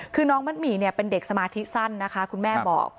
คือน้องมัดหมี่เป็นเด็กสมาธิสั้นนะคะคุณแม่บอก